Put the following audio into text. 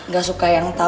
gak suka yang tau neng